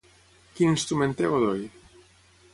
Quin instrument té Godoy?